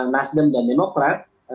nasrim dan demokrat